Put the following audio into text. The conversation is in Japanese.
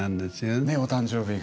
ねお誕生日が。